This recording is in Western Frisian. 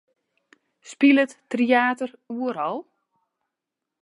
Spilet Tryater oeral?